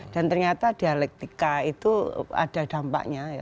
dan ternyata dialektika itu ada dampaknya